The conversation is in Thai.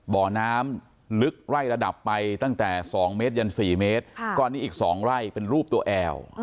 บ่อน้ำลึกไล่ระดับไปตั้งแต่๒เมตรยัน๔เมตรก้อนนี้อีก๒ไร่เป็นรูปตัวแอล